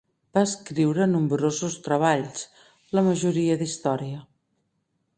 Va escriure nombrosos treballs, la majoria d'història.